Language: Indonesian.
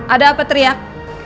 ada apa teriak